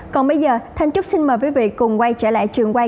còn bây giờ thanh trúc xin mời quý vị cùng quay trở lại trường quay